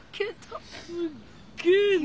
すっげえ！